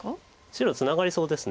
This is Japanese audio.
白ツナがりそうです